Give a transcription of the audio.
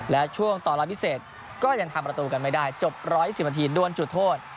และช่วงต่อรอยพิเศษก็ยังทำประตูกันไม่ได้จบ๑๑๐นาทีด้วนจุดโทษ